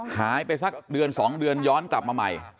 หายไปสักเดือน๒เดือนย้อนกลับมาใหม่